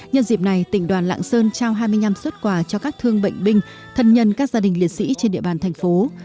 nhân dịp này tỉnh đoàn lạng sơn trao hai mươi năm xuất quà cho các thương bệnh binh thân nhân các gia đình liệt sĩ trên địa bàn thành phố